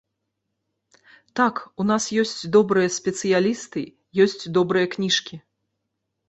Так, у нас ёсць добрыя спецыялісты, ёсць добрыя кніжкі.